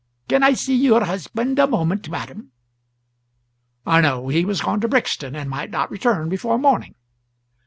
Can I see your husband a moment, madam?" No, he was gone to Brixton, and might not return before morning.